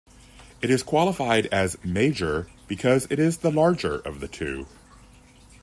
It is qualified as "major" because it is the larger of the two.